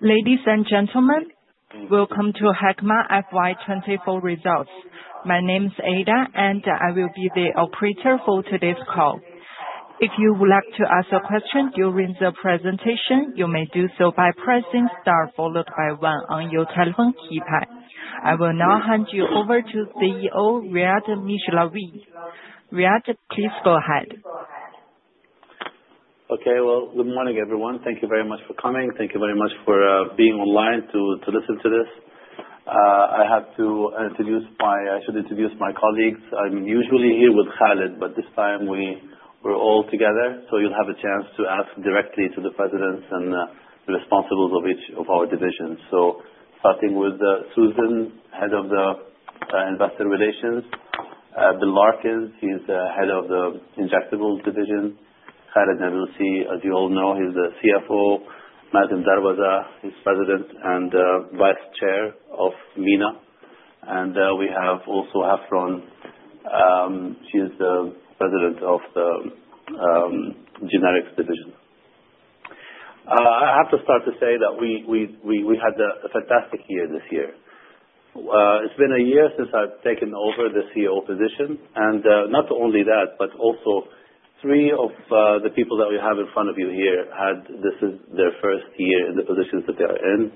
Ladies and gentlemen, welcome to Hikma FY24 results. My name's Ada, and I will be the operator for today's call. If you would like to ask a question during the presentation, you may do so by pressing star followed by one on your telephone keypad. I will now hand you over to CEO Riad Mishlawi. Riad, please go ahead. Okay. Well, good morning, everyone. Thank you very much for coming. Thank you very much for being online to listen to this. I have to introduce my, I should introduce my colleagues. I'm usually here with Khalid, but this time we're all together, so you'll have a chance to ask directly to the presidents and the responsibles of each of our divisions. So starting with Susan, head of the investor relations. Bill Larkins, he's the head of the Injectables division. Khalid Nabilsi, as you all know, he's the CFO. Mazen Darwazah, he's President and Vice Chair of MENA. And we have also Hafrun, she's the President of the Generics division. I have to start to say that we had a fantastic year this year. It's been a year since I've taken over the CEO position, and not only that, but also three of the people that we have in front of you here—this is their first year in the positions that they are in.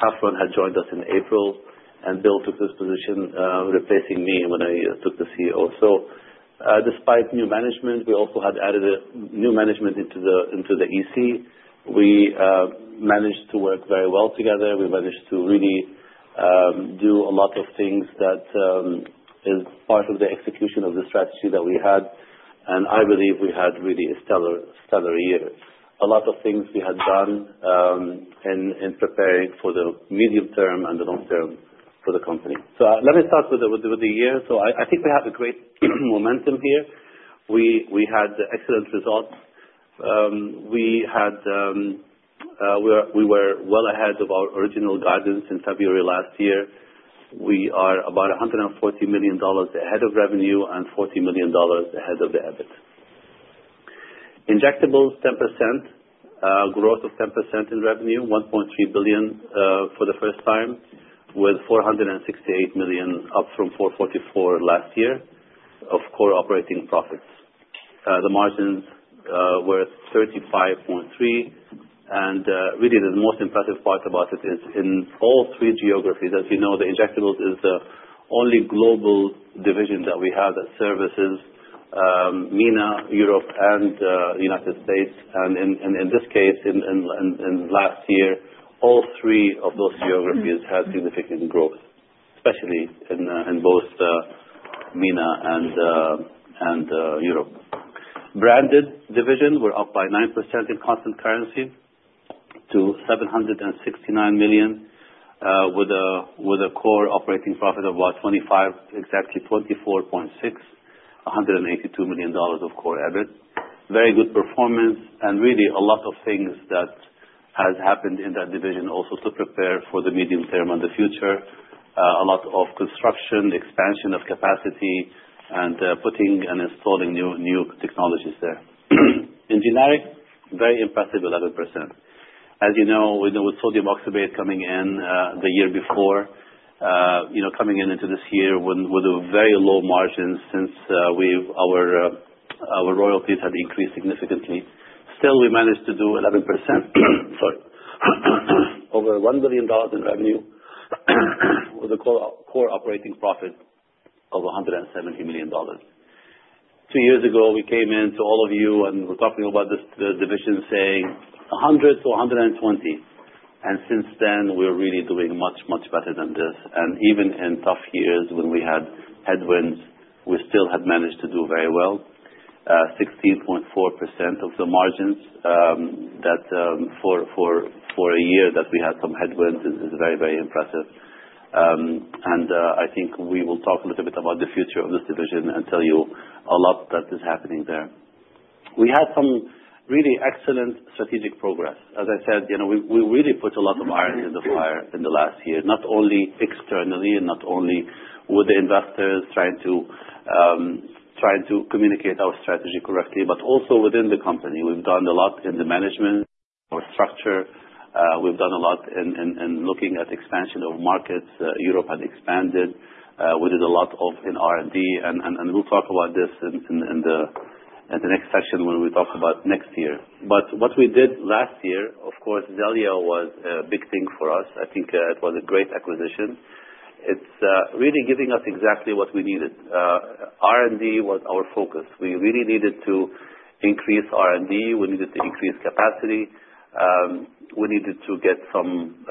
Hafrun had joined us in April, and Bill took this position replacing me when I took the CEO. So despite new management, we also had added new management into the EC. We managed to work very well together. We managed to really do a lot of things that is part of the execution of the strategy that we had, and I believe we had really a stellar year. A lot of things we had done in preparing for the medium term and the long term for the company. So let me start with the year. So I think we have a great momentum here. We had excellent results. We were well ahead of our original guidance in February last year. We are about $140 million ahead of revenue and $40 million ahead of the EBIT. Injectables 10%, growth of 10% in revenue, $1.3 billion for the first time, with $468 million up from $444 million last year of core operating profits. The margins were 35.3%, and really the most impressive part about it is in all three geographies. As you know, the Injectables is the only global division that we have that services MENA, Europe, and the United States, and in this case, in last year, all three of those geographies had significant growth, especially in both MENA and Europe. Branded division, we're up by 9% in constant currency to $769 million, with a core operating profit of about 25%, exactly 24.6%, $182 million of core EBIT. Very good performance, and really a lot of things that have happened in that division also to prepare for the medium term and the future. A lot of construction, expansion of capacity, and putting and installing new technologies there. In Generics, very impressive 11%. As you know, with sodium oxybate coming in the year before, coming into this year with very low margins since our royalties had increased significantly. Still, we managed to do 11%, sorry, over $1 billion in revenue with a core operating profit of $170 million. Two years ago, we came into all of you and were talking about this division saying, "$100 million-$120 million." And since then, we're really doing much, much better than this. And even in tough years when we had headwinds, we still had managed to do very well. 16.4% of the margins for a year that we had some headwinds is very, very impressive. I think we will talk a little bit about the future of this division and tell you a lot that is happening there. We had some really excellent strategic progress. As I said, we really put a lot of iron in the fire in the last year, not only externally and not only with the investors trying to communicate our strategy correctly, but also within the company. We've done a lot in the management, our structure. We've done a lot in looking at expansion of markets. Europe had expanded. We did a lot in R&D, and we'll talk about this in the next section when we talk about next year. What we did last year, of course, Xellia was a big thing for us. I think it was a great acquisition. It's really giving us exactly what we needed. R&D was our focus. We really needed to increase R&D. We needed to increase capacity. We needed to get some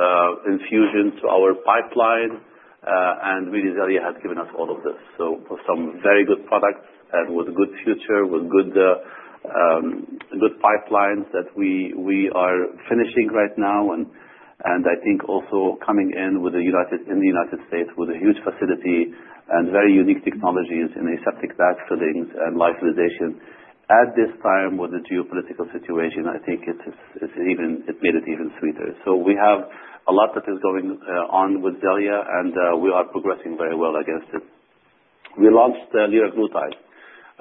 infusion to our pipeline, and really Xellia has given us all of this. So with some very good products and with a good future, with good pipelines that we are finishing right now, and I think also coming in in the United States with a huge facility and very unique technologies in aseptic bag filling and lyophilization. At this time, with the geopolitical situation, I think it made it even sweeter. So we have a lot that is going on with Xellia, and we are progressing very well against it. We launched liraglutide.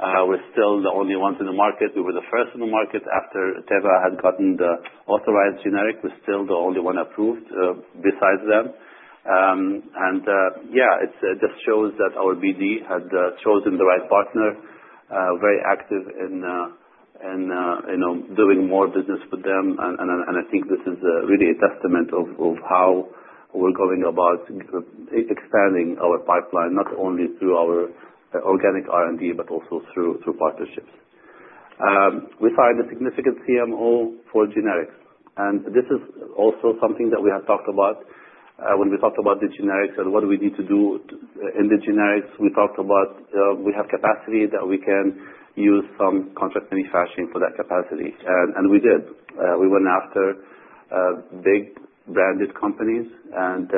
We're still the only ones in the market. We were the first in the market after Teva had gotten the authorized generic. We're still the only one approved besides them. And yeah, it just shows that our BD had chosen the right partner, very active in doing more business with them. And I think this is really a testament of how we're going about expanding our pipeline, not only through our organic R&D but also through partnerships. We signed a significant CMO for Generics, and this is also something that we have talked about when we talked about the Generics and what we need to do in the Generics. We talked about we have capacity that we can use some contract manufacturing for that capacity, and we did. We went after big branded companies, and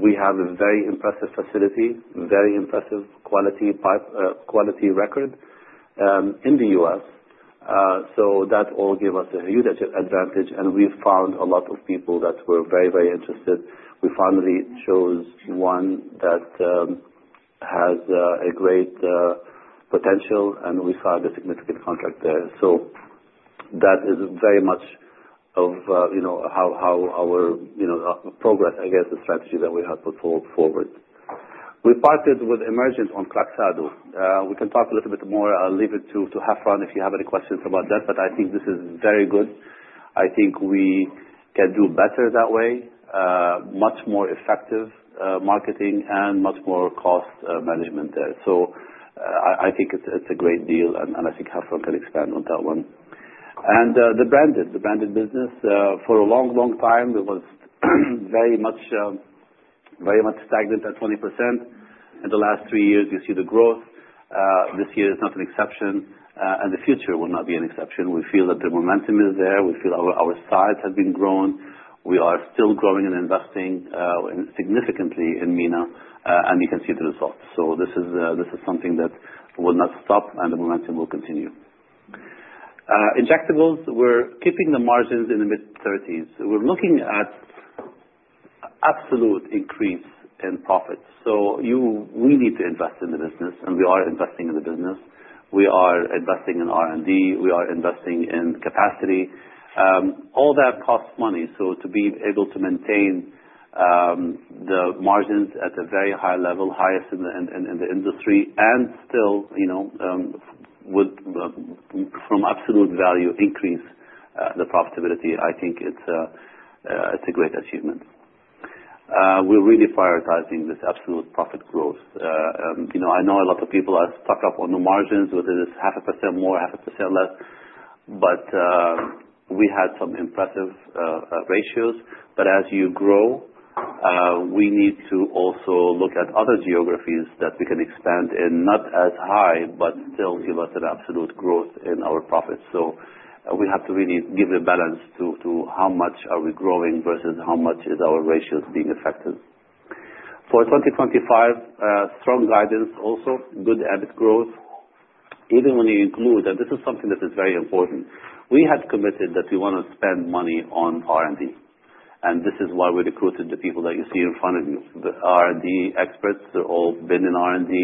we have a very impressive facility, very impressive quality record in the U.S. So that all gave us a huge advantage, and we found a lot of people that were very, very interested. We finally chose one that has a great potential, and we signed a significant contract there. So that is very much of how our progress against the strategy that we have put forward. We partnered with Emergent on Kloxxado. We can talk a little bit more. I'll leave it to Hafrun if you have any questions about that, but I think this is very good. I think we can do better that way, much more effective marketing, and much more cost management there. So I think it's a great deal, and I think Hafrun can expand on that one. The Branded, the Branded business, for a long, long time, it was very much stagnant at 20%. In the last three years, you see the growth. This year is not an exception, and the future will not be an exception. We feel that the momentum is there. We feel our size has been grown. We are still growing and investing significantly in MENA, and you can see the results. So this is something that will not stop, and the momentum will continue. Injectables, we're keeping the margins in the mid-30s. We're looking at absolute increase in profits. So we need to invest in the business, and we are investing in the business. We are investing in R&D. We are investing in capacity. All that costs money. So to be able to maintain the margins at a very high level, highest in the industry, and still from absolute value increase the profitability, I think it's a great achievement. We're really prioritizing this absolute profit growth. I know a lot of people are stuck up on the margins with this 0.5% more, 0.5% less, but we had some impressive ratios. But as you grow, we need to also look at other geographies that we can expand in, not as high, but still give us an absolute growth in our profits. So we have to really give a balance to how much are we growing versus how much are our ratios being affected. For 2025, strong guidance also, good EBIT growth. Even when you include, and this is something that is very important, we had committed that we want to spend money on R&D. And this is why we recruited the people that you see in front of you. The R&D experts are all been in R&D,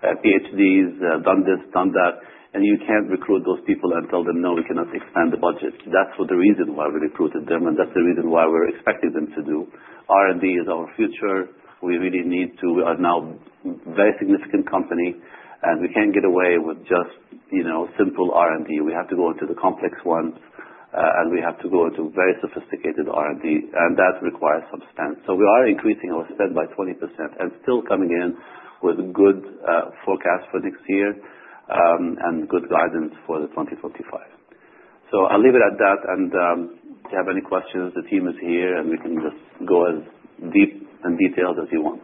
PhDs, done this, done that, and you can't recruit those people and tell them, "No, we cannot expand the budget." That's the reason why we recruited them, and that's the reason why we're expecting them to do. R&D is our future. We are now a very significant company, and we can't get away with just simple R&D. We have to go into the complex ones, and we have to go into very sophisticated R&D, and that requires some spend. So we are increasing our spend by 20% and still coming in with good forecasts for next year and good guidance for 2025. So I'll leave it at that, and if you have any questions, the team is here, and we can just go as deep and detailed as you want.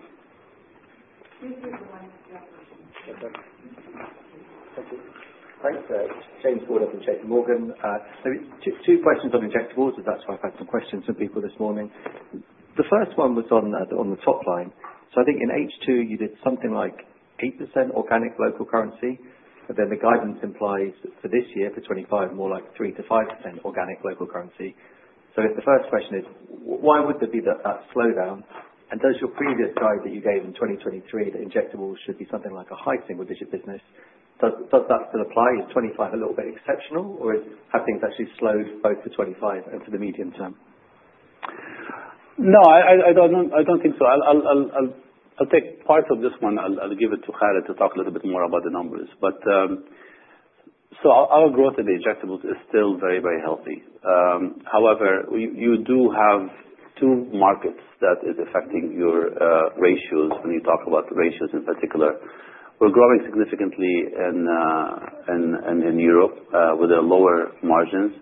This is the one that's your question. Thank you. Thank you. Thanks, James Gordon from JPMorgan. Two questions on Injectables. That's why I've had some questions from people this morning. The first one was on the top line. I think in H2, you did something like 8% organic local currency, but then the guidance implies for this year, for 2025, more like 3%-5% organic local currency. The first question is, why would there be that slowdown? And does your previous guide that you gave in 2023 that Injectables should be something like a high single-digit business, does that still apply? Is 2025 a little bit exceptional, or have things actually slowed both for 2025 and for the medium term? No, I don't think so. I'll take part of this one. I'll give it to Khalid to talk a little bit more about the numbers. So our growth in the Injectables is still very, very healthy. However, you do have two markets that are affecting your ratios when you talk about ratios in particular. We're growing significantly in Europe with lower margins.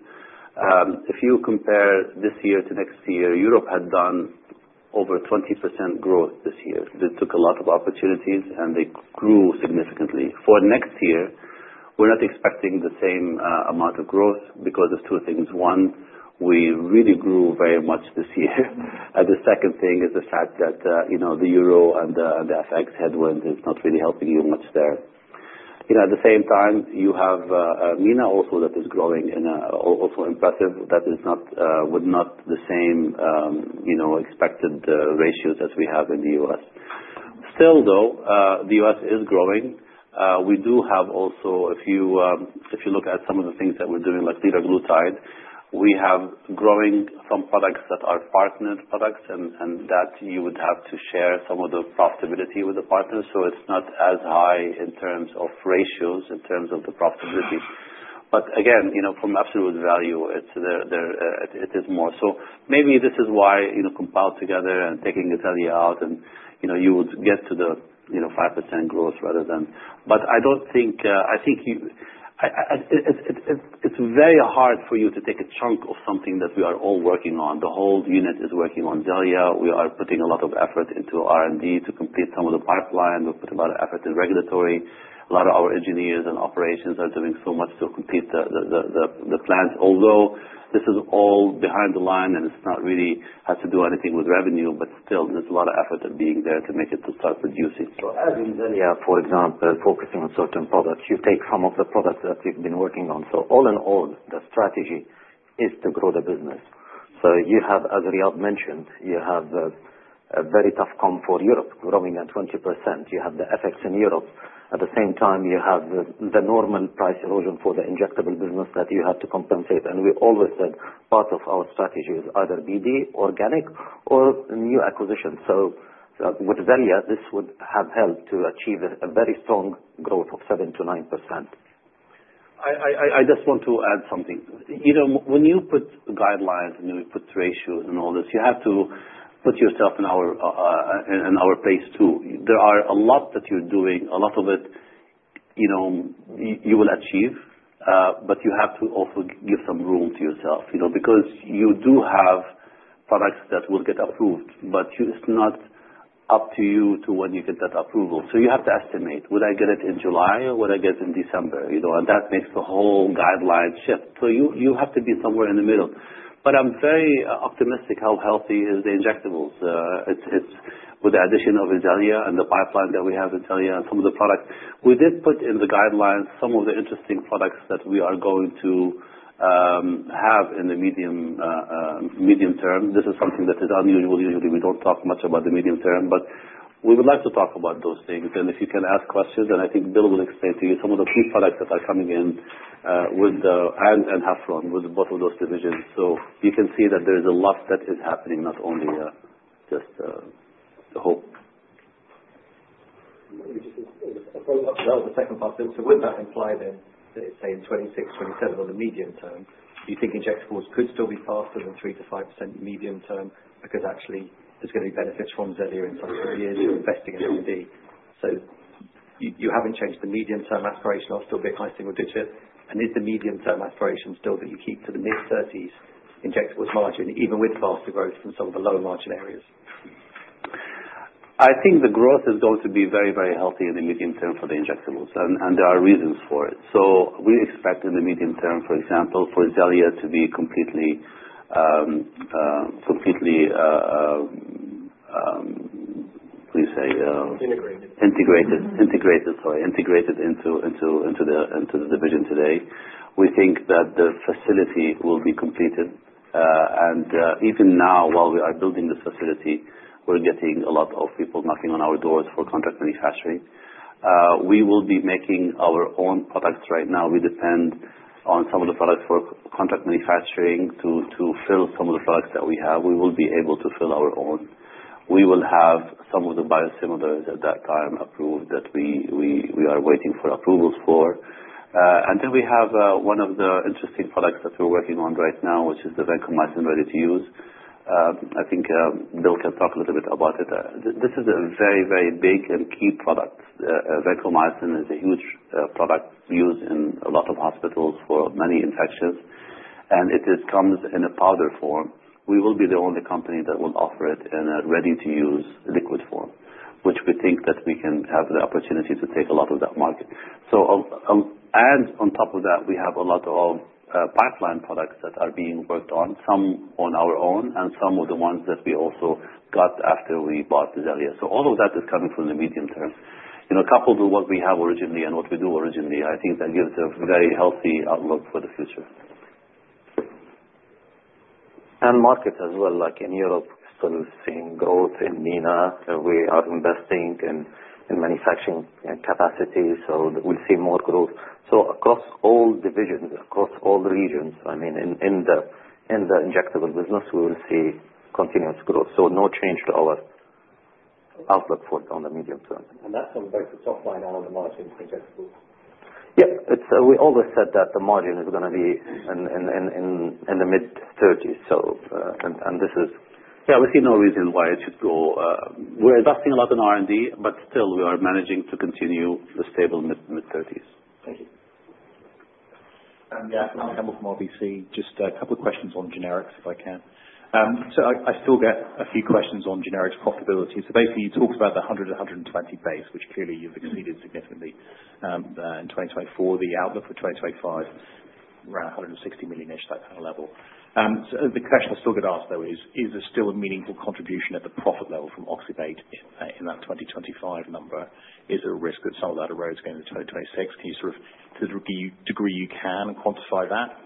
If you compare this year to next year, Europe had done over 20% growth this year. They took a lot of opportunities, and they grew significantly. For next year, we're not expecting the same amount of growth because of two things. One, we really grew very much this year. And the second thing is the fact that the euro and the FX headwind is not really helping you much there. At the same time, you have MENA also that is growing and also impressive, but with not the same expected ratios as we have in the U.S. Still, though, the U.S. is growing. We do have also a few, if you look at some of the things that we're doing like liraglutide, we have growing some products that are partnered products, and that you would have to share some of the profitability with the partners. So it's not as high in terms of ratios, in terms of the profitability. But again, from absolute value, it is more. So maybe this is why compiled together and taking Xellia out, and you would get to the 5% growth rather than, but I don't think, I think it's very hard for you to take a chunk of something that we are all working on. The whole unit is working on Xellia. We are putting a lot of effort into R&D to complete some of the pipeline. We've put a lot of effort in regulatory. A lot of our engineers and operations are doing so much to complete the plans. Although this is all behind the line, and it's not really had to do anything with revenue, but still, there's a lot of effort being there to make it to start producing. So as in Xellia, for example, focusing on certain products, you take some of the products that you've been working on. So all in all, the strategy is to grow the business. So you have, as Riad mentioned, you have a very tough comp for Europe growing at 20%. You have the FX in Europe. At the same time, you have the normal price erosion for the Injectable business that you have to compensate. And we always said part of our strategy is either BD, organic, or new acquisitions. So with Xellia, this would have helped to achieve a very strong growth of 7%-9%. I just want to add something. When you put guidelines and you put ratios and all this, you have to put yourself in our place too. There are a lot that you're doing. A lot of it you will achieve, but you have to also give some room to yourself because you do have products that will get approved, but it's not up to you to when you get that approval. So you have to estimate. Would I get it in July? Would I get it in December? And that makes the whole guideline shift. So you have to be somewhere in the middle. But I'm very optimistic how healthy the Injectables are with the addition of Xellia and the pipeline that we have in Xellia and some of the products. We did put in the guidelines some of the interesting products that we are going to have in the medium term. This is something that is unusual. Usually, we don't talk much about the medium term, but we would like to talk about those things, and if you can ask questions, and I think Bill will explain to you some of the key products that are coming in with Hafrun with both of those divisions, so you can see that there's a lot that is happening, not only just hope. Maybe just a follow-up to that on the second part then. So wouldn't that imply then that it's saying 2026-2027 on the medium term? Do you think Injectables could still be faster than 3%-5% medium term because actually there's going to be benefits from Xellia in some of the years you're investing in BD? So you haven't changed the medium-term aspiration of still being high single-digit. And is the medium-term aspiration still that you keep to the mid-30s Injectables margin, even with faster growth in some of the lower margin areas? I think the growth is going to be very, very healthy in the medium term for the Injectables, and there are reasons for it. So we expect in the medium term, for example, for Xellia to be completely, completely—what do you say? Integrated. Integrated into the division today. We think that the facility will be completed. Even now, while we are building this facility, we're getting a lot of people knocking on our doors for contract manufacturing. We will be making our own products right now. We depend on some of the products for contract manufacturing to fill some of the products that we have. We will be able to fill our own. We will have some of the biosimilars at that time approved that we are waiting for approvals for. We have one of the interesting products that we're working on right now, which is the vancomycin ready-to-use. I think Bill can talk a little bit about it. This is a very, very big and key product. Vancomycin is a huge product used in a lot of hospitals for many infections, and it comes in a powder form. We will be the only company that will offer it in a ready-to-use liquid form, which we think that we can have the opportunity to take a lot of that market, so on top of that, we have a lot of pipeline products that are being worked on, some on our own and some of the ones that we also got after we bought Xellia, so all of that is coming from the medium term. Coupled with what we have originally and what we do originally, I think that gives a very healthy outlook for the future, and markets as well, like in Europe, still seeing growth in MENA. We are investing in manufacturing capacity, so we'll see more growth. So across all divisions, across all regions, I mean, in the Injectable business, we will see continuous growth. So no change to our outlook on the medium term. That comes back to top line out of the margin for Injectables. Yeah. We always said that the margin is going to be in the mid-30s, and this is, yeah, we see no reason why it should go. We're investing a lot in R&D, but still, we are managing to continue the stable mid-30s. Thank you, Alistair Campbell from RBC, just a couple of questions on Generics if I can. So I still get a few questions on Generics profitability. So basically, you talked about the $100 million-$120 million base, which clearly you've exceeded significantly in 2024. The outlook for 2025 is around $160 million-ish, that kind of level. The question I still get asked, though, is there still a meaningful contribution at the profit level from oxybate in that 2025 number? Is there a risk that some of that erodes going into 2026? Can you, to the degree you can, quantify that?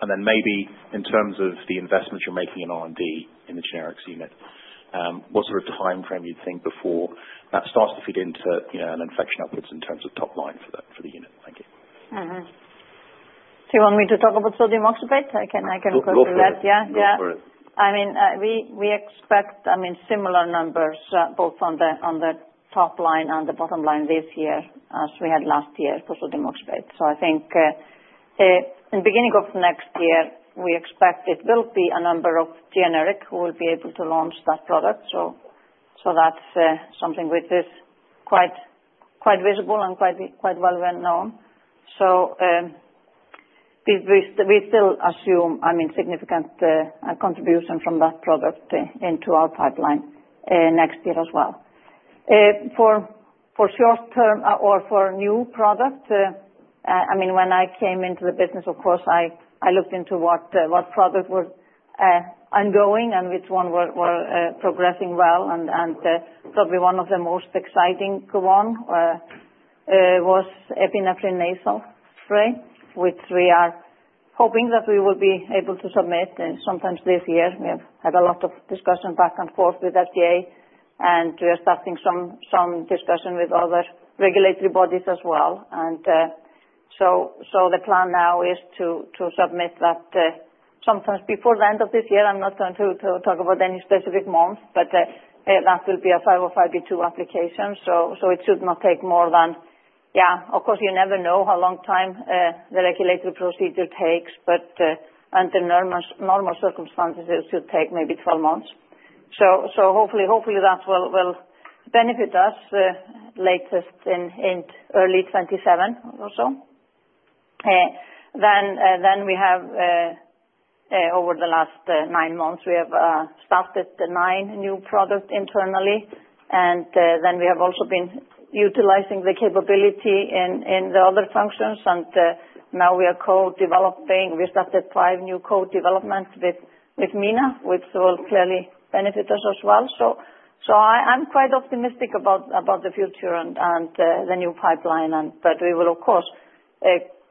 And then maybe in terms of the investments you're making in R&D in the Generics unit, what sort of time frame you'd think before that starts to feed into an inflection upwards in terms of top line for the unit? Thank you. Do you want me to talk about sodium oxybate? I can go through that. Absolutely. Yeah, yeah. I mean, we expect similar numbers both on the top line and the bottom line this year as we had last year for sodium oxybate, so I think in the beginning of next year, we expect it will be a number of Generics who will be able to launch that product, so that's something which is quite visible and quite well known, so we still assume, I mean, significant contribution from that product into our pipeline next year as well. For short-term or for new product, I mean, when I came into the business, of course, I looked into what products were ongoing and which ones were progressing well, and probably one of the most exciting ones was epinephrine nasal spray, which we are hoping that we will be able to submit sometime this year. We have had a lot of discussion back and forth with FDA, and we are starting some discussion with other regulatory bodies as well. And so the plan now is to submit that sometime before the end of this year. I'm not going to talk about any specific months, but that will be a 505(b)(2) application. So it should not take more than. Yeah, of course, you never know how long time the regulatory procedure takes, but under normal circumstances, it should take maybe 12 months. So hopefully, that will benefit us latest in early 2027 or so. Then we have, over the last nine months, we have started nine new products internally. And then we have also been utilizing the capability in the other functions. And now we are co-developing. We started five new co-developments with MENA, which will clearly benefit us as well. So I'm quite optimistic about the future and the new pipeline. But we will, of course,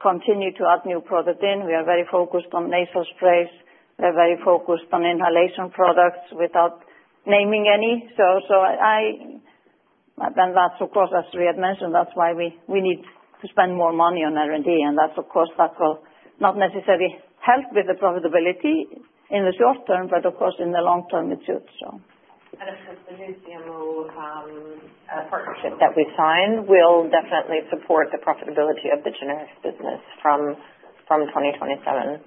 continue to add new products in. We are very focused on nasal sprays. We are very focused on inhalation products without naming any. So that's, of course, as Riad mentioned, that's why we need to spend more money on R&D. And that's, of course, that will not necessarily help with the profitability in the short term, but of course, in the long term, it should, so. Of course, the new CMO partnership that we signed will definitely support the profitability of the Generics business from 2027.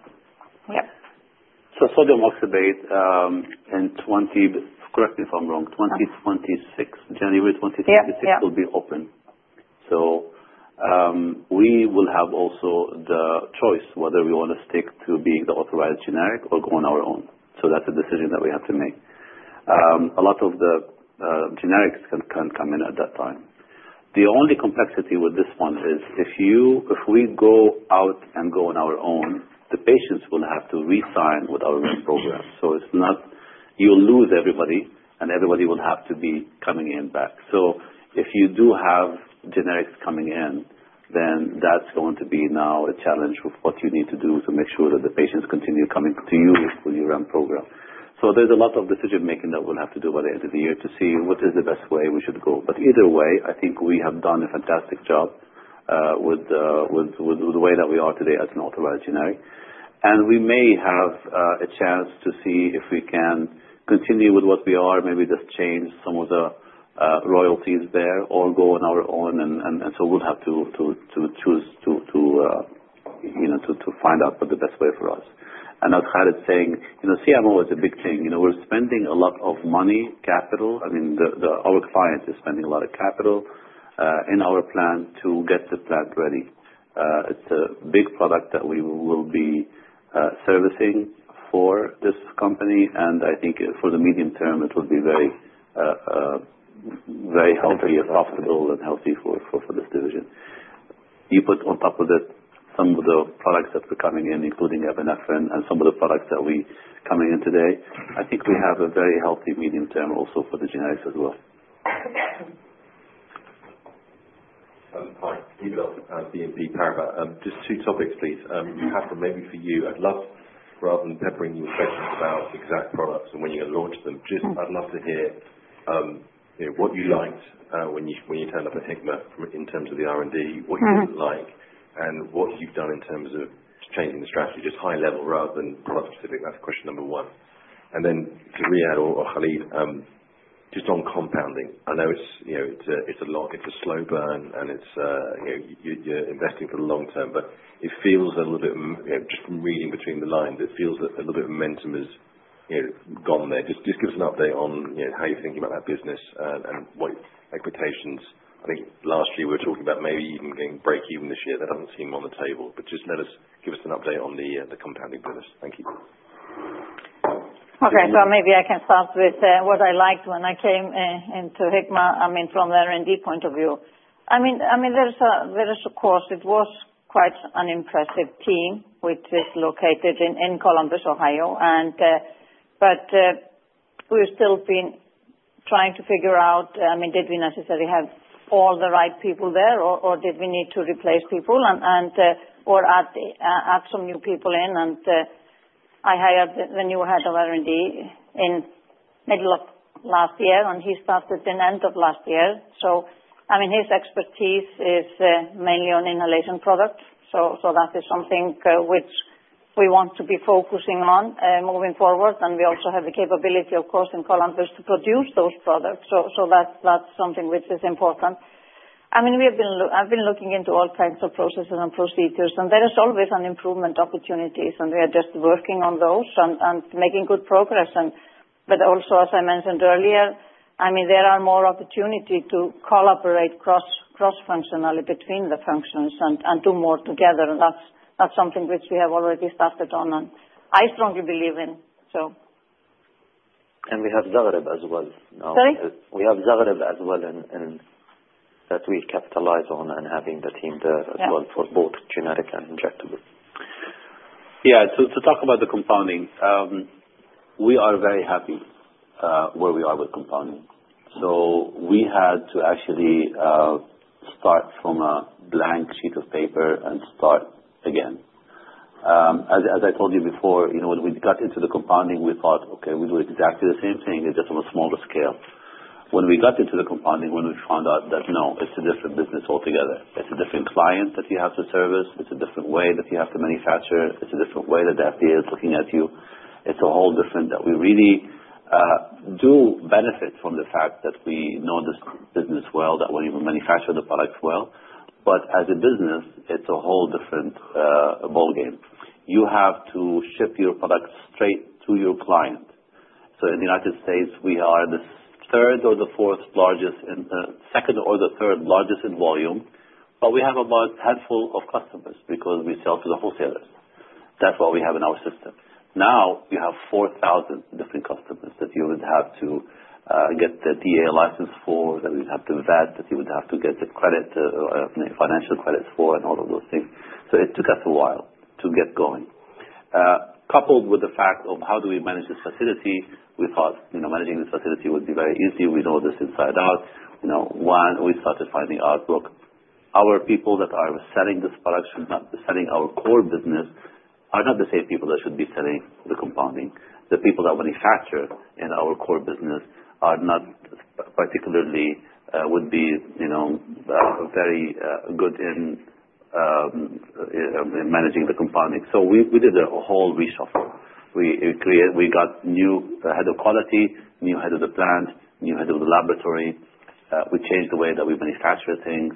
Yeah. So sodium oxybate in 20, correct me if I'm wrong, 2026, January 2026 will be open. So we will have also the choice whether we want to stick to being the authorized generic or go on our own. So that's a decision that we have to make. A lot of the generics can come in at that time. The only complexity with this one is if we go out and go on our own, the patients will have to re-sign with our own program. So you'll lose everybody, and everybody will have to be coming in back. So if you do have generics coming in, then that's going to be now a challenge with what you need to do to make sure that the patients continue coming to you through your own program. There's a lot of decision-making that we'll have to do by the end of the year to see what is the best way we should go. Either way, I think we have done a fantastic job with the way that we are today as an authorized generic. We may have a chance to see if we can continue with what we are, maybe just change some of the royalties there or go on our own. We'll have to choose to find out what the best way for us. As Khalid's saying, CMO is a big thing. We're spending a lot of money, capital. I mean, our client is spending a lot of capital in our plan to get the plant ready. It's a big product that we will be servicing for this company. I think for the medium term, it will be very healthy and profitable and healthy for this division. You put on top of it some of the products that are coming in, including epinephrine and some of the products that we are coming in today. I think we have a very healthy medium term also for the Generics as well. Peter at BNP Paribas. Just two topics, please. Hafrun, maybe for you, I'd love rather than peppering you with questions about exact products and when you're going to launch them, just I'd love to hear what you liked when you turned up at Hikma in terms of the R&D, what you didn't like, and what you've done in terms of changing the strategy, just high level rather than product-specific. That's question number one. Then to Riad or Khalid, just on compounding, I know it's a lot. It's a slow burn, and you're investing for the long term, but it feels a little bit just from reading between the lines, it feels that a little bit of momentum has gone there. Just give us an update on how you're thinking about that business and what expectations. I think last year we were talking about maybe even getting break-even this year. That doesn't seem on the table, but just give us an update on the compounding business. Thank you. Okay, so maybe I can start with what I liked when I came into Hikma, I mean, from the R&D point of view. I mean, there is, of course, it was quite an impressive team which is located in Columbus, Ohio, but we've still been trying to figure out, I mean, did we necessarily have all the right people there, or did we need to replace people, or add some new people in, and I hired the new head of R&D in the middle of last year, and he started at the end of last year, so I mean, his expertise is mainly on inhalation products, so that is something which we want to be focusing on moving forward. And we also have the capability, of course, in Columbus to produce those products, so that's something which is important. I mean, I've been looking into all kinds of processes and procedures, and there is always an improvement opportunities, and we are just working on those and making good progress, but also, as I mentioned earlier, I mean, there are more opportunities to collaborate cross-functionally between the functions and do more together, and that's something which we have already started on, and I strongly believe in, so. We have Zagreb as well. Sorry? We have Zagreb as well that we capitalize on and having the team there as well for both Generics and Injectable. Yeah. To talk about the compounding, we are very happy where we are with compounding. So we had to actually start from a blank sheet of paper and start again. As I told you before, when we got into the compounding, we thought, "Okay, we do exactly the same thing, just on a smaller scale." When we got into the compounding, when we found out that, no, it's a different business altogether. It's a different client that you have to service. It's a different way that you have to manufacture. It's a different way that the FDA is looking at you. It's a whole different. We really do benefit from the fact that we know this business well, that we manufacture the products well. But as a business, it's a whole different ballgame. You have to ship your product straight to your client. So in the United States, we are the third or the fourth largest, second or the third largest in volume, but we have about a handful of customers because we sell to the wholesalers. That's what we have in our system. Now you have 4,000 different customers that you would have to get the DEA license for, that we would have to vet, that you would have to get the credit, financial credits for, and all of those things. So it took us a while to get going. Coupled with the fact of how do we manage this facility, we thought managing this facility would be very easy. We know this inside out. We started finding out, "Look, our people that are selling this product should not be selling our core business. They are not the same people that should be selling the compounding. The people that manufacture in our core business would be very good in managing the compounding." So we did a whole reshuffle. We got a new head of quality, new head of the plant, new head of the laboratory. We changed the way that we manufacture things.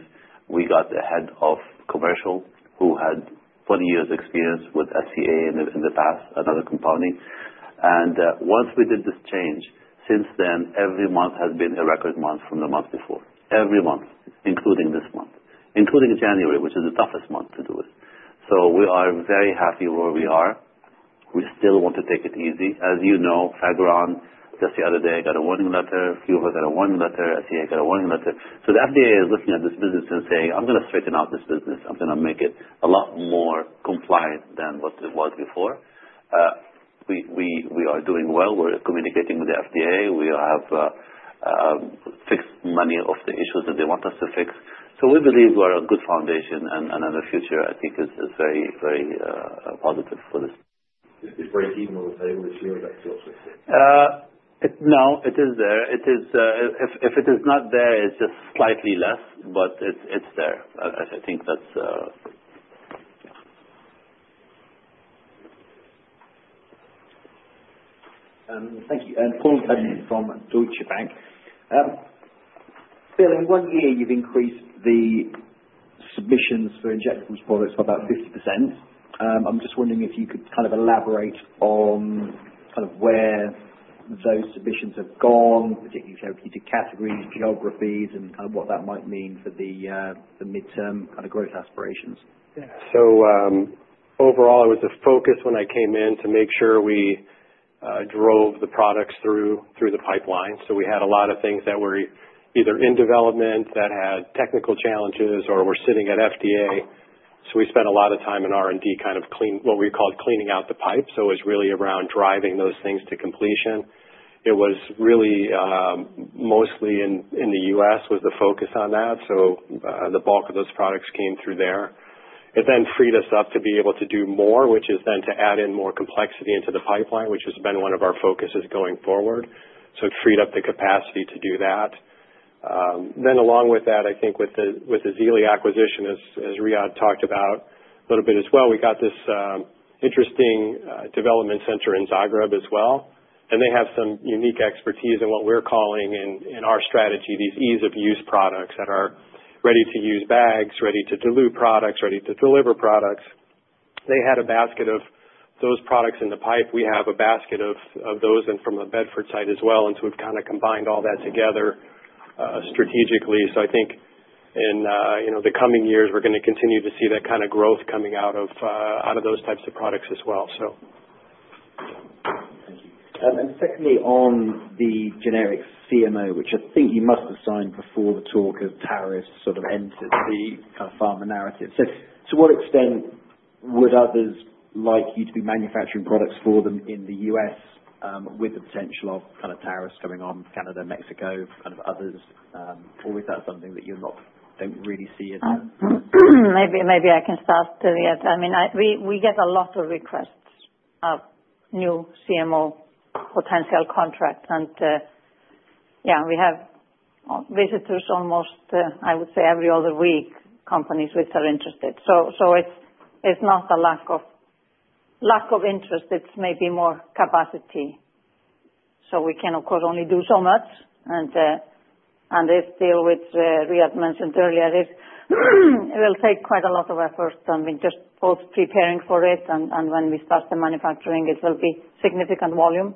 We got a head of commercial who had 20 years of experience with SCA in the past, another compounding. And once we did this change, since then, every month has been a record month from the month before. Every month, including this month, including January, which is the toughest month to do it. So we are very happy where we are. We still want to take it easy. As you know, Fagron, just the other day, got a warning letter. Huber got a warning letter. SCA got a warning letter. So the FDA is looking at this business and saying, "I'm going to straighten out this business. I'm going to make it a lot more compliant than what it was before." We are doing well. We're communicating with the FDA. We have fixed many of the issues that they want us to fix. So we believe we are on a good foundation. And the future, I think, is very positive for this. Is break-even on the table this year? Is that still expected? No, it is there. If it is not there, it's just slightly less, but it's there. I think that's. Thank you. And Paul Cuddon from Deutsche Bank. Bill, in one year, you've increased the submissions for Injectables products by about 50%. I'm just wondering if you could kind of elaborate on kind of where those submissions have gone, particularly therapeutic categories, geographies, and kind of what that might mean for the midterm kind of growth aspirations? Yeah. So overall, it was a focus when I came in to make sure we drove the products through the pipeline. So we had a lot of things that were either in development that had technical challenges or were sitting at FDA. So we spent a lot of time in R&D kind of what we called cleaning out the pipe. So it was really around driving those things to completion. It was really mostly in the U.S. was the focus on that. So the bulk of those products came through there. It then freed us up to be able to do more, which is then to add in more complexity into the pipeline, which has been one of our focuses going forward. So it freed up the capacity to do that. Then along with that, I think with the Xellia acquisition, as Riad talked about a little bit as well, we got this interesting development center in Zagreb as well. And they have some unique expertise in what we're calling in our strategy, these ease-of-use products that are ready-to-use bags, ready-to-dilute products, ready-to-deliver products. They had a basket of those products in the pipe. We have a basket of those from the Bedford side as well. And so we've kind of combined all that together strategically. So I think in the coming years, we're going to continue to see that kind of growth coming out of those types of products as well, so. Thank you. And secondly, on the Generics CMO, which I think you must have signed before the talk as tariff sort of entered the pharma narrative. So to what extent would others like you to be manufacturing products for them in the U.S. with the potential of kind of tariffs coming on Canada, Mexico, kind of others? Or is that something that you don't really see? Maybe I can start to yet. I mean, we get a lot of requests of new CMO potential contracts. And yeah, we have visitors almost, I would say, every other week, companies which are interested. So it's not a lack of interest. It's maybe more capacity. So we can, of course, only do so much. And still, which Riad mentioned earlier, it will take quite a lot of effort. I mean, just both preparing for it and when we start the manufacturing, it will be significant volume.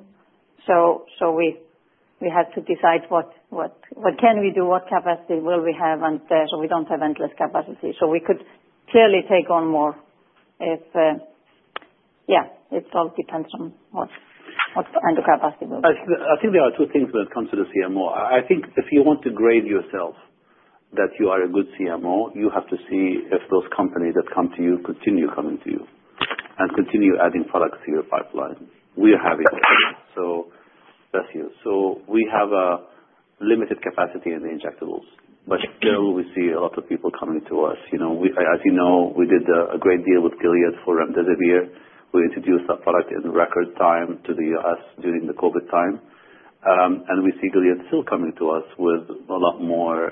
So we had to decide what can we do, what capacity will we have, and so we don't have endless capacity. So we could clearly take on more if, yeah, it all depends on what kind of capacity. I think there are two things when it comes to the CMO. I think if you want to grade yourself that you are a good CMO, you have to see if those companies that come to you continue coming to you and continue adding products to your pipeline. We are having them. So bless you. So we have limited capacity in the Injectables, but still we see a lot of people coming to us. As you know, we did a great deal with Gilead for remdesivir. We introduced that product in record time to the U.S. during the COVID time. And we see Gilead still coming to us with a lot more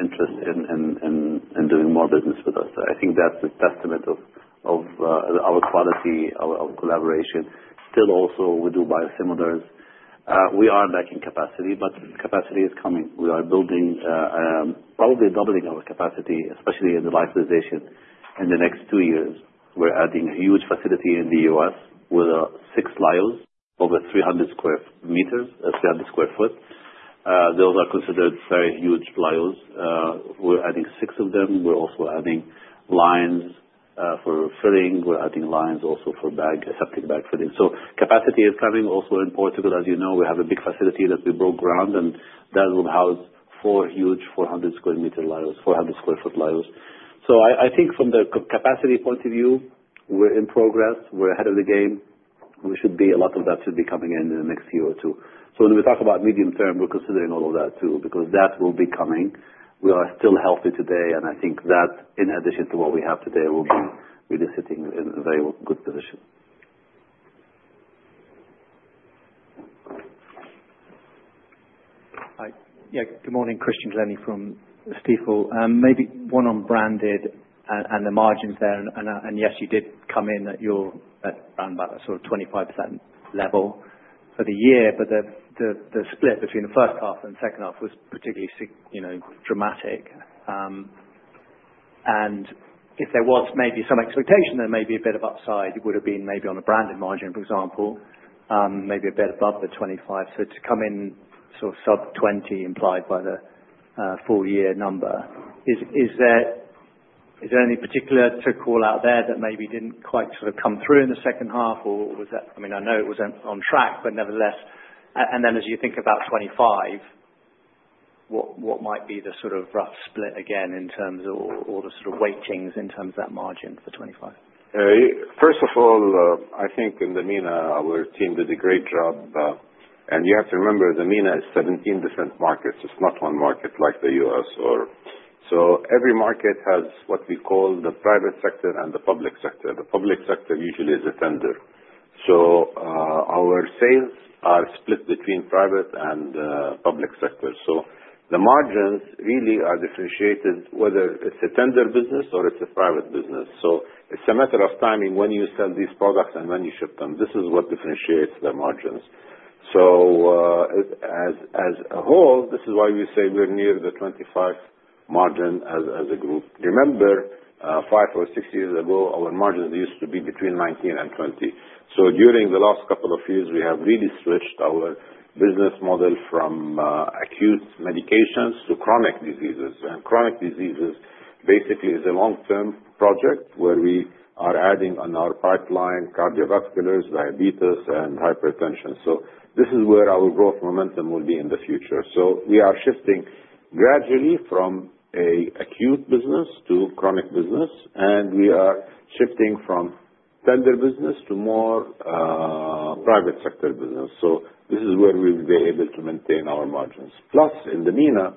interest in doing more business with us. I think that's a testament of our quality, our collaboration. Still also, we do biosimilars. We are lacking capacity, but capacity is coming. We are building probably doubling our capacity, especially in the lyophilization in the next two years. We're adding a huge facility in the U.S. with six lyos, over 300 sq m, 300 sq ft. Those are considered very huge lyos. We're adding six of them. We're also adding lines for filling. We're adding lines also for aseptic bag filling. So capacity is coming. Also in Portugal, as you know, we have a big facility that we broke ground, and that will house four huge 400 sq m lyos, 400 sq ft lyos. So I think from the capacity point of view, we're in progress. We're ahead of the game. A lot of that should be coming in in the next year or two. So when we talk about medium term, we're considering all of that too because that will be coming. We are still healthy today, and I think that in addition to what we have today, we'll be really sitting in a very good position. Yeah. Good morning. Christian Glennie from Stifel. Maybe one on Branded and the margins there. And yes, you did come in at your roundabout at sort of 25% level for the year, but the split between the first half and the second half was particularly dramatic. And if there was maybe some expectation, then maybe a bit of upside would have been maybe on a Branded margin, for example, maybe a bit above the 25%. So to come in sort of sub 20% implied by the full year number. Is there anything particular to call out there that maybe didn't quite sort of come through in the second half? Or was that, I mean, I know it was on track, but nevertheless. And then as you think about 2025, what might be the sort of rough split again in terms of or the sort of weightings in terms of that margin for 2025? First of all, I think in the MENA, our team did a great job. And you have to remember, the MENA is 17 different markets. It's not one market like the U.S. So every market has what we call the private sector and the public sector. The public sector usually is a tender. So our sales are split between private and public sector. So the margins really are differentiated whether it's a tender business or it's a private business. So it's a matter of timing when you sell these products and when you ship them. This is what differentiates the margins. So as a whole, this is why we say we're near the 25% margin as a group. Remember, five or six years ago, our margins used to be between 19% and 20%. During the last couple of years, we have really switched our business model from acute medications to chronic diseases. Chronic diseases basically is a long-term project where we are adding on our pipeline cardiovasculars, diabetes, and hypertension. This is where our growth momentum will be in the future. We are shifting gradually from an acute business to chronic business, and we are shifting from tender business to more private sector business. This is where we will be able to maintain our margins. Plus, in the MENA,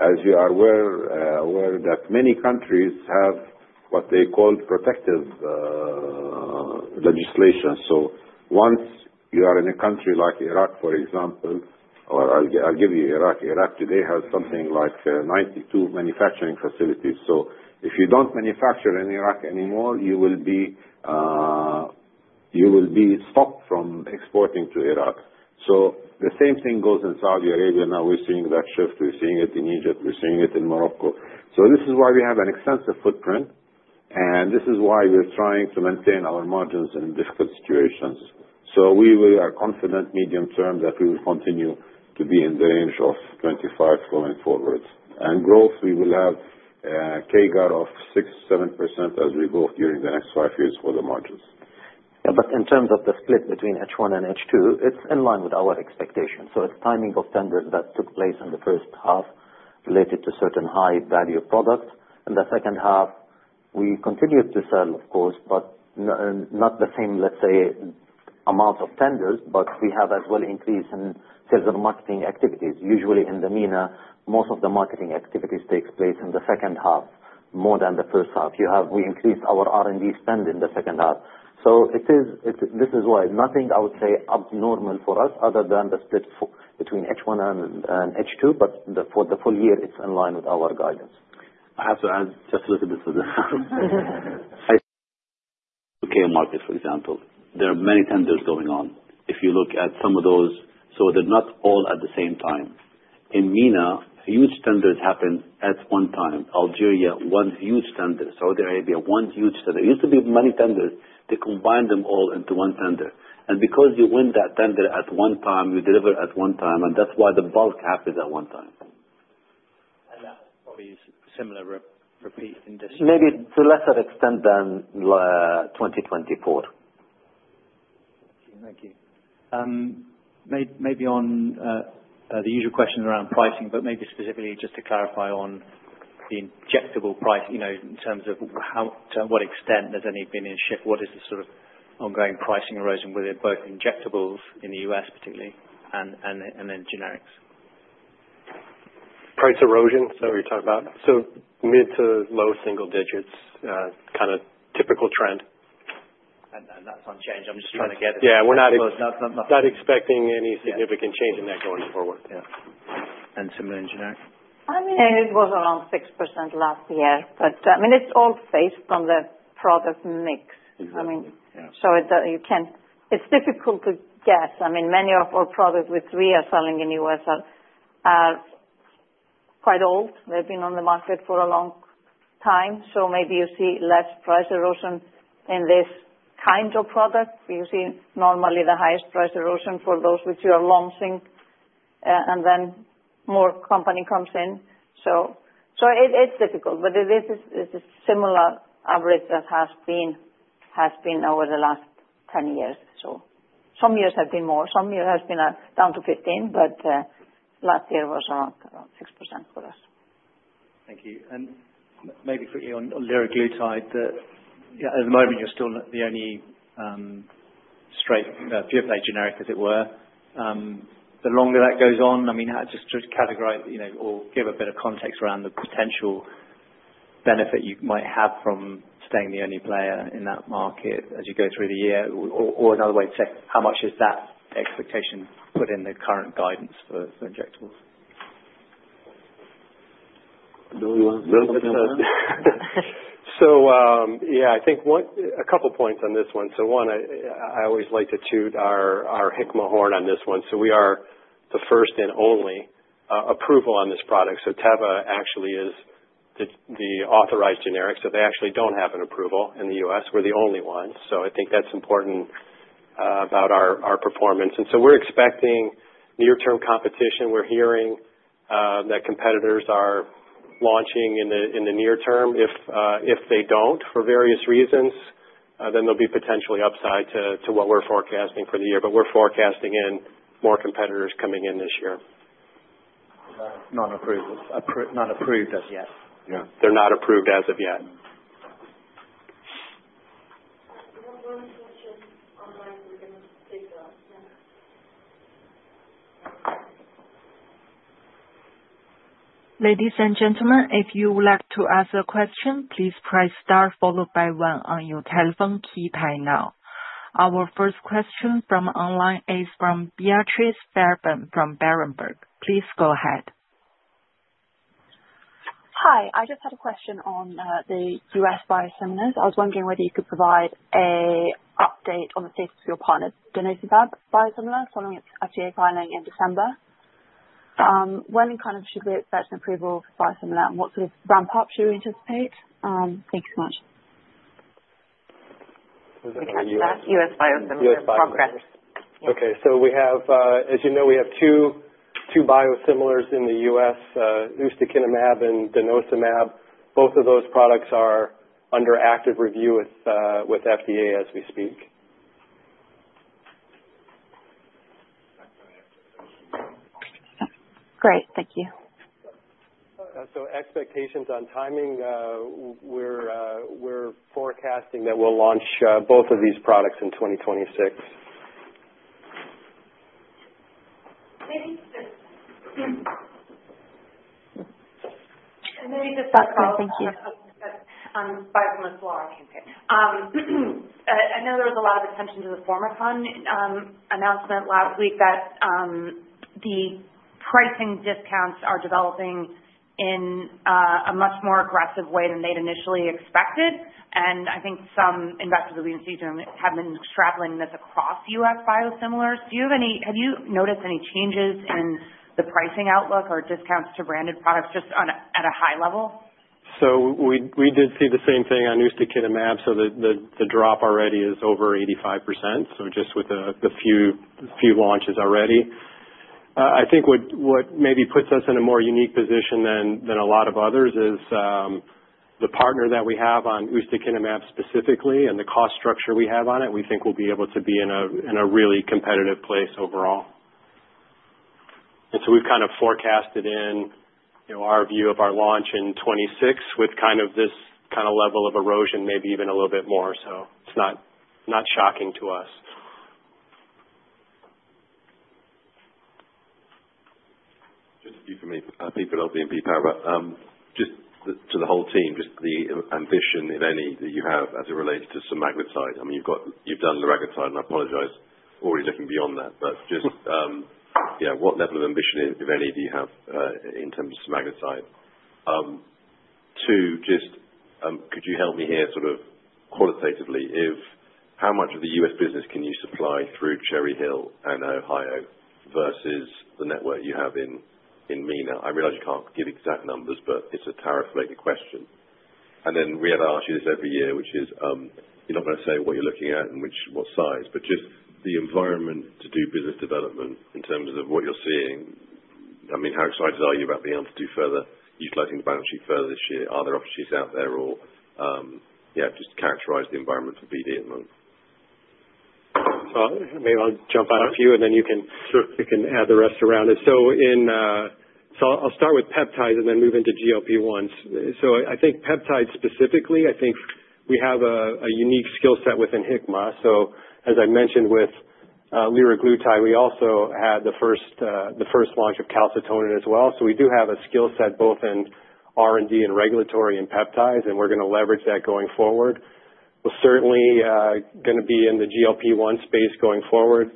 as you are aware, many countries have what they call protective legislation. Once you are in a country like Iraq, for example, or I'll give you Iraq. Iraq today has something like 92 manufacturing facilities. If you don't manufacture in Iraq anymore, you will be stopped from exporting to Iraq. So the same thing goes in Saudi Arabia. Now we're seeing that shift. We're seeing it in Egypt. We're seeing it in Morocco. So this is why we have an extensive footprint, and this is why we're trying to maintain our margins in difficult situations. So we are confident medium term that we will continue to be in the range of 25% going forward. And growth, we will have a CAGR of 6%-7% as we go through the next five years for the margins. But in terms of the split between H1 and H2, it's in line with our expectations. So it's timing of tenders that took place in the first half related to certain high-value products. In the second half, we continued to sell, of course, but not the same, let's say, amount of tenders, but we have as well increased in sales and marketing activities. Usually, in the MENA, most of the marketing activities take place in the second half more than the first half. We increased our R&D spend in the second half. So this is why nothing I would say abnormal for us other than the split between H1 and H2, but for the full year, it's in line with our guidance. I have to add just a little bit for the market, for example. There are many tenders going on. If you look at some of those, so they're not all at the same time. In MENA, huge tenders happen at one time. Algeria, one huge tender. Saudi Arabia, one huge tender. It used to be many tenders. They combined them all into one tender, and because you win that tender at one time, you deliver at one time, and that's why the bulk happens at one time. That's probably a similar repeat in this year. Maybe to a lesser extent than 2024. Thank you. Maybe on the usual questions around pricing, but maybe specifically just to clarify on the Injectable price in terms of to what extent there's any binning shift, what is the sort of ongoing pricing erosion with both Injectables in the U.S. particularly and then Generics? Price erosion, is that what you're talking about? So mid to low single digits, kind of typical trend. That's unchanged. I'm just trying to get it. Yeah. We're not expecting any significant change in that going forward. Yeah, and similar in Generics? I mean, it was around 6% last year, but I mean, it's all based on the product mix. I mean, so it's difficult to guess. I mean, many of our products which we are selling in the U.S. are quite old. They've been on the market for a long time. So maybe you see less price erosion in this kind of product. You see normally the highest price erosion for those which you are launching, and then more company comes in. So it's difficult, but this is a similar average that has been over the last 10 years. So some years have been more. Some years have been down to 15%, but last year was around 6% for us. Thank you. And maybe quickly on liraglutide, at the moment, you're still the only straight pure-play generic, as it were. The longer that goes on, I mean, just to categorize or give a bit of context around the potential benefit you might have from staying the only player in that market as you go through the year, or another way to say, how much is that expectation put in the current guidance for Injectables? So yeah, I think a couple of points on this one. So one, I always like to toot our Hikma horn on this one. So we are the first and only approval on this product. So Teva actually is the authorized generic. So they actually don't have an approval in the U.S. We're the only one. So I think that's important about our performance. And so we're expecting near-term competition. We're hearing that competitors are launching in the near term. If they don't for various reasons, then there'll be potentially upside to what we're forecasting for the year. But we're forecasting in more competitors coming in this year. Not approved as yet. Yeah. They're not approved as of yet. Ladies and gentlemen, if you would like to ask a question, please press star followed by one on your telephone keypad now. Our first question from online is from Beatrice Fairbairn from Berenberg. Please go ahead. Hi. I just had a question on the U.S. biosimilars. I was wondering whether you could provide an update on the status of your partner, ustekinumab biosimilars, following its FDA filing in December. When kind of should we expect an approval for biosimilars, and what sort of ramp-up should we anticipate? Thank you so much. U.S. biosimilars progress. Okay, so as you know, we have two biosimilars in the U.S., ustekinumab and denosumab. Both of those products are under active review with FDA as we speak. Great. Thank you. So expectations on timing. We're forecasting that we'll launch both of these products in 2026. And maybe just. That's fine. Thank you. But five minutes long. Okay. I know there was a lot of attention to the Formycon announcement last week that the pricing discounts are developing in a much more aggressive way than they'd initially expected, and I think some investors that we've been seeing have been extrapolating this across U.S. biosimilars. Have you noticed any changes in the pricing outlook or discounts to Branded products just at a high level? We did see the same thing on ustekinumab. The drop already is over 85%. Just with a few launches already. I think what maybe puts us in a more unique position than a lot of others is the partner that we have on ustekinumab specifically and the cost structure we have on it. We think we'll be able to be in a really competitive place overall. We've kind of forecasted in our view of our launch in 2026 with kind of this kind of level of erosion, maybe even a little bit more. It's not shocking to us. Just a few for me. I think for BNP Paribas, just to the whole team, just the ambition, if any, that you have as it relates to semaglutide. I mean, you've done liraglutide, and I apologize, already looking beyond that. But just, yeah, what level of ambition, if any, do you have in terms of semaglutide? Two, just could you help me here sort of qualitatively? How much of the U.S. business can you supply through Cherry Hill and Ohio versus the network you have in MENA? I realize you can't give exact numbers, but it's a tariff-related question. And then we had asked you this every year, which is you're not going to say what you're looking at and what size, but just the environment to do business development in terms of what you're seeing. I mean, how excited are you about being able to do further, utilizing the balance sheet further this year? Are there opportunities out there? Or yeah, just characterize the environment for BD at the moment. So maybe I'll jump out a few, and then you can add the rest around it. I'll start with peptides and then move into GLP-1s. I think peptides specifically, I think we have a unique skill set within Hikma. As I mentioned with liraglutide, we also had the first launch of calcitonin as well. We do have a skill set both in R&D and regulatory and peptides, and we're going to leverage that going forward. We're certainly going to be in the GLP-1 space going forward,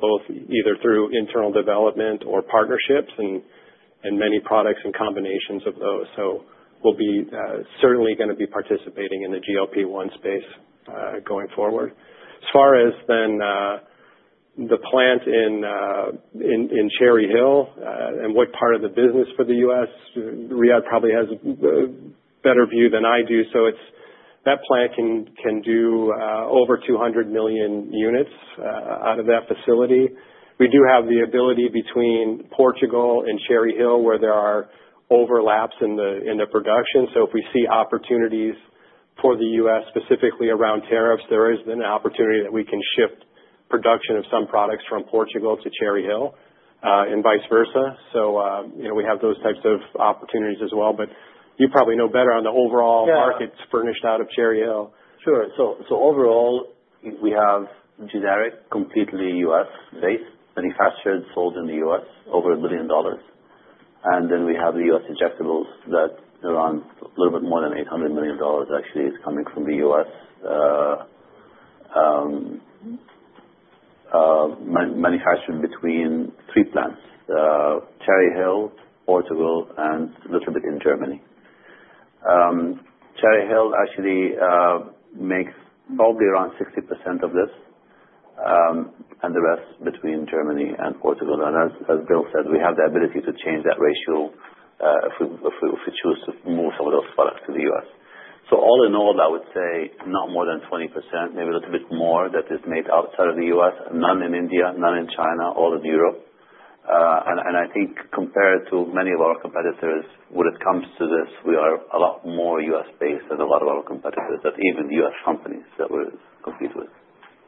both either through internal development or partnerships and many products and combinations of those. We'll be certainly going to be participating in the GLP-1 space going forward. As far as then the plant in Cherry Hill and what part of the business for the U.S., Riad probably has a better view than I do. So that plant can do over 200 million units out of that facility. We do have the ability between Portugal and Cherry Hill where there are overlaps in the production. So if we see opportunities for the U.S., specifically around tariffs, there is an opportunity that we can shift production of some products from Portugal to Cherry Hill and vice versa. So we have those types of opportunities as well. But you probably know better on the overall markets furnished out of Cherry Hill. Sure, so overall, we have Generics completely U.S.-based, manufactured, sold in the U.S., over a billion dollars, and then we have the U.S. Injectables that are around a little bit more than $800 million, actually, is coming from the U.S., manufactured between three plants: Cherry Hill, Portugal, and a little bit in Germany. Cherry Hill actually makes probably around 60% of this, and the rest between Germany and Portugal, and as Bill said, we have the ability to change that ratio if we choose to move some of those products to the U.S., so all in all, I would say not more than 20%, maybe a little bit more that is made outside of the U.S., none in India, none in China, all in Europe. I think compared to many of our competitors, when it comes to this, we are a lot more U.S.-based than a lot of our competitors, even U.S. companies that we compete with.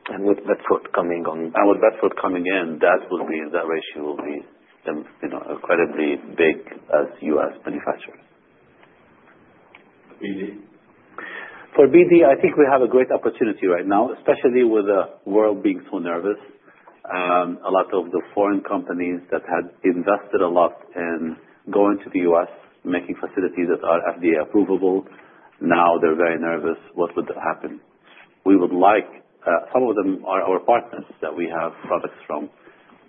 And with Bedford coming on. With Bedford coming in, that ratio will be incredibly big as U.S. manufacturers. For BD? For BD, I think we have a great opportunity right now, especially with the world being so nervous. A lot of the foreign companies that had invested a lot in going to the U.S., making facilities that are FDA-approvable, now they're very nervous what would happen. We would like some of them are our partners that we have products from.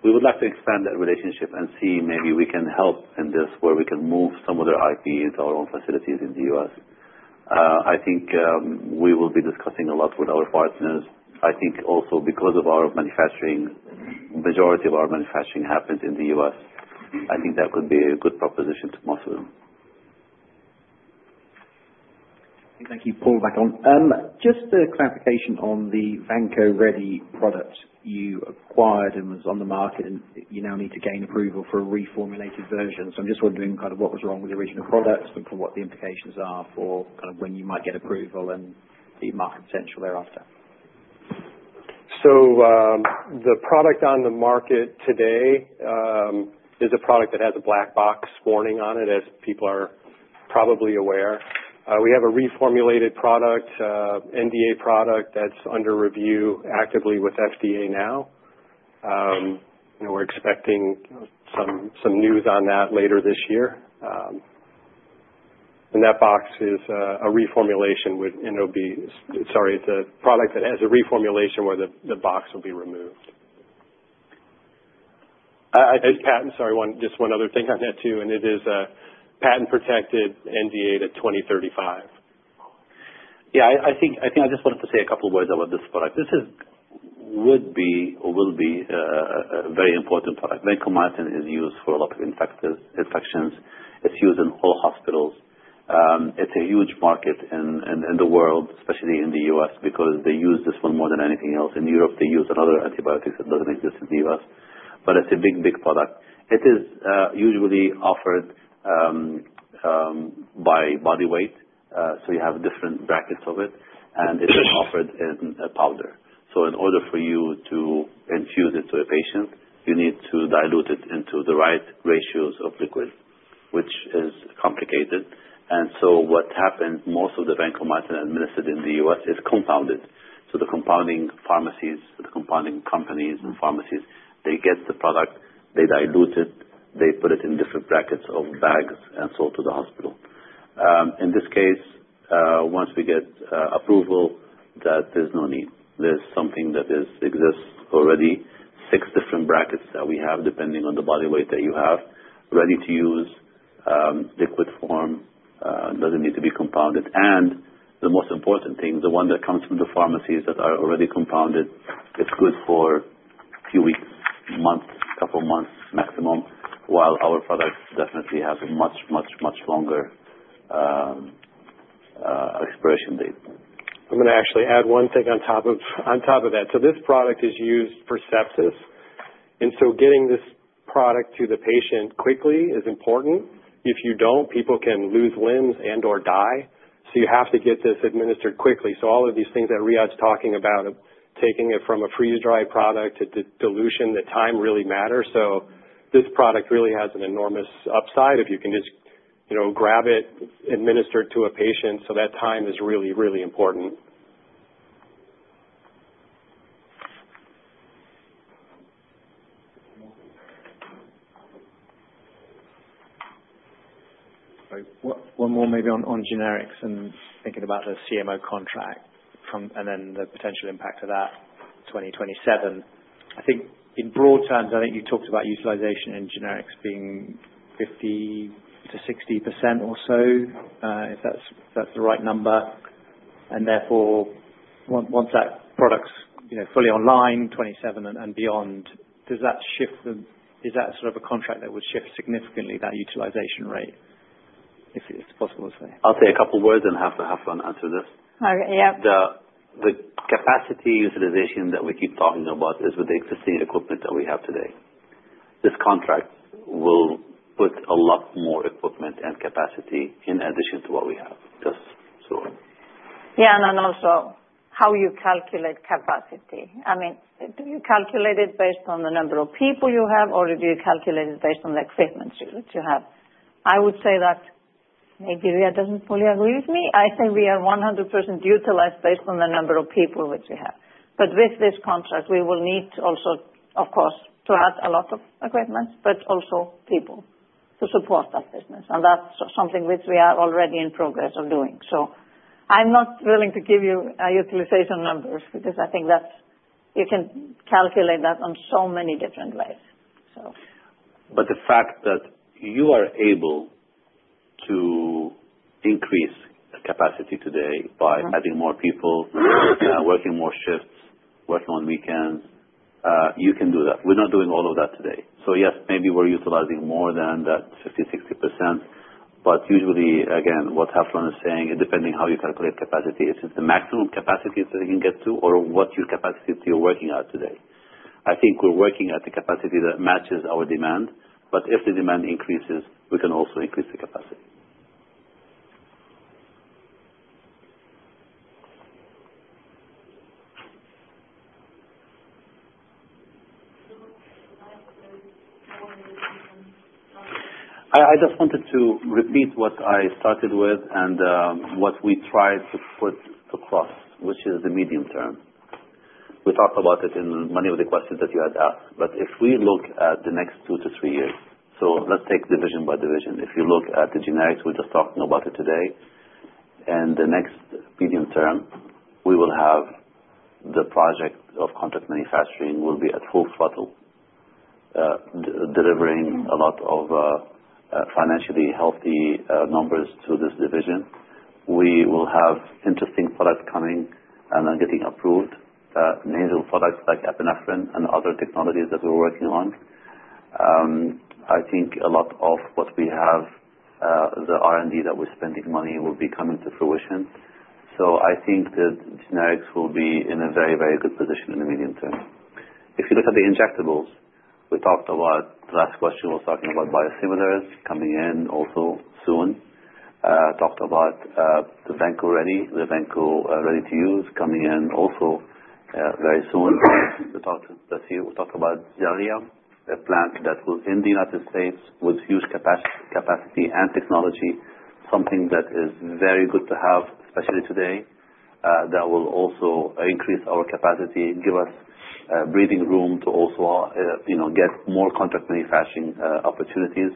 We would like to expand that relationship and see maybe we can help in this where we can move some of their IP into our own facilities in the U.S. I think we will be discussing a lot with our partners. I think also because of our manufacturing, the majority of our manufacturing happens in the U.S., I think that could be a good proposition to most of them. Thank you. Paul, back on. Just a clarification on the Vanco Ready product you acquired and was on the market, and you now need to gain approval for a reformulated version. So I'm just wondering kind of what was wrong with the original product and what the implications are for kind of when you might get approval and the market potential thereafter. The product on the market today is a product that has a Black box warning on it, as people are probably aware. We have a reformulated product, NDA product that's under review actively with FDA now. We're expecting some news on that later this year. And that box is a reformulation with NOB, sorry, it's a product that has a reformulation where the box will be removed. I think. It's patented. Sorry, just one other thing on that too. It is patent-protected NDA to 2035. Yeah. I think I just wanted to say a couple of words about this product. This would be or will be a very important product. vancomycin is used for a lot of infections. It's used in all hospitals. It's a huge market in the world, especially in the U.S., because they use this one more than anything else. In Europe, they use another antibiotic that doesn't exist in the U.S. But it's a big, big product. It is usually offered by body weight. So you have different brackets of it, and it is offered in a powder. So in order for you to infuse it to a patient, you need to dilute it into the right ratios of liquid, which is complicated. And so what happens, most of the vancomycin administered in the U.S. is compounded. The compounding pharmacies, the compounding companies, the pharmacies get the product, they dilute it, they put it in different brackets of bags, and sold to the hospital. In this case, once we get approval, there's no need. There's something that exists already, six different brackets that we have, depending on the body weight that you have, ready to use, liquid form, doesn't need to be compounded. The most important thing, the one that comes from the pharmacies that are already compounded, it's good for a few weeks, months, a couple of months maximum, while our product definitely has a much, much, much longer expiration date. I'm going to actually add one thing on top of that. So this product is used for sepsis. And so getting this product to the patient quickly is important. If you don't, people can lose limbs and/or die. So you have to get this administered quickly. So all of these things that Riad's talking about, taking it from a freeze-dried product to dilution, the time really matters. So this product really has an enormous upside. If you can just grab it, administer it to a patient, so that time is really, really important. One more, maybe, on Generics and thinking about the CMO contract and then the potential impact of that in 2027. I think in broad terms, I think you talked about utilization in Generics being 50%-60% or so, if that's the right number. Therefore, once that product's fully online in 2027 and beyond, does that shift? Is that sort of a contract that would shift significantly that utilization rate, if it's possible to say? I'll say a couple of words and have Hafrun answer this. Okay. Yeah. The capacity utilization that we keep talking about is with the existing equipment that we have today. This contract will put a lot more equipment and capacity in addition to what we have. Just so. Yeah. And also, how you calculate capacity. I mean, do you calculate it based on the number of people you have, or do you calculate it based on the equipment that you have? I would say that maybe Riad doesn't fully agree with me. I think we are 100% utilized based on the number of people which we have. But with this contract, we will need also, of course, to add a lot of equipment, but also people to support that business. And that's something which we are already in progress of doing. So I'm not willing to give you utilization numbers because I think you can calculate that in so many different ways, so. But the fact that you are able to increase capacity today by adding more people, working more shifts, working on weekends, you can do that. We're not doing all of that today. So yes, maybe we're utilizing more than that 50%-60%. But usually, again, what Hafrun is saying, depending on how you calculate capacity, it's if the maximum capacity is that you can get to or what your capacity that you're working at today. I think we're working at the capacity that matches our demand. But if the demand increases, we can also increase the capacity. I just wanted to repeat what I started with and what we tried to put across, which is the medium term. We talked about it in many of the questions that you had asked. But if we look at the next two to three years, so let's take division by division. If you look at the Generics, we're just talking about it today, and in the next medium term, we will have the project of contract manufacturing will be at full throttle, delivering a lot of financially healthy numbers to this division. We will have interesting products coming and getting approved, nasal products like epinephrine and other technologies that we're working on. I think a lot of what we have, the R&D that we're spending money will be coming to fruition, so I think that Generics will be in a very, very good position in the medium term. If you look at the Injectables, we talked about the last question was talking about biosimilars coming in also soon, talked about the Vanco Ready, the Vanco Ready to Use coming in also very soon. We talked about Xellia, a plant that was in the United States with huge capacity and technology, something that is very good to have, especially today, that will also increase our capacity, give us breathing room to also get more contract manufacturing opportunities.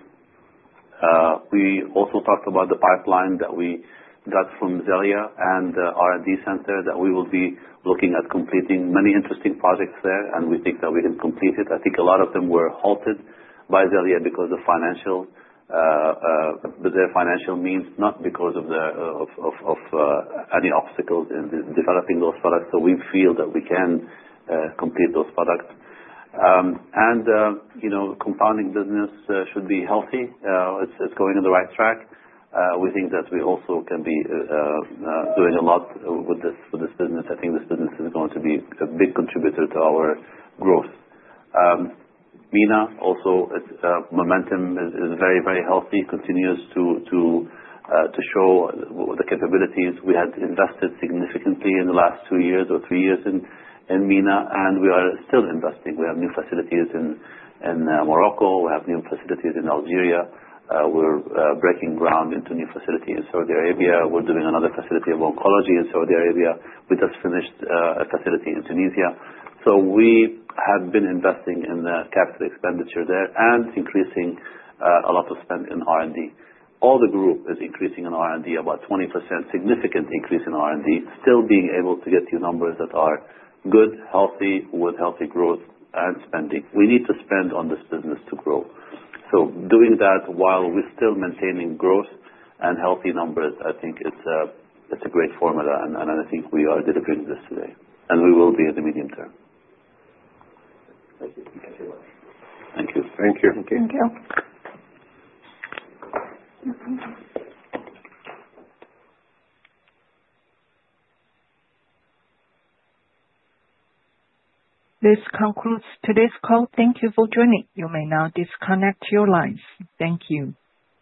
We also talked about the pipeline that we got from Xellia and the R&D center that we will be looking at completing many interesting projects there, and we think that we can complete it. I think a lot of them were halted by Xellia because of financial means, not because of any obstacles in developing those products. So we feel that we can complete those products. And compounding business should be healthy. It's going in the right track. We think that we also can be doing a lot with this business. I think this business is going to be a big contributor to our growth. MENA, also, its momentum is very, very healthy, continues to show the capabilities. We had invested significantly in the last two years or three years in MENA, and we are still investing. We have new facilities in Morocco. We have new facilities in Algeria. We're breaking ground on a new facility in Saudi Arabia. We're doing another facility for oncology in Saudi Arabia. We just finished a facility in Tunisia, so we have been investing in the capital expenditure there and increasing a lot of spend in R&D. All the group is increasing in R&D about 20%, significant increase in R&D, still being able to get good numbers that are good, healthy, with healthy growth and spending. We need to spend on this business to grow, so doing that while we're still maintaining growth and healthy numbers, I think it's a great formula, and I think we are delivering this today. We will be in the medium term. Thank you. Thank you very much. Thank you. Thank you. Thank you. This concludes today's call. Thank you for joining. You may now disconnect your lines. Thank you.